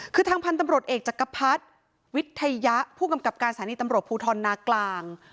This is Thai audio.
คือทางพันธุ์ตำรวจเอกจักรพรรดิวิทยายะผู้กำกับการสถานีตำรวจภูทรนากลาง